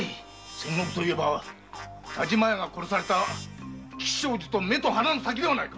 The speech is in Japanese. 千石といえば但馬屋が殺された吉祥寺と目と鼻の先ではないか！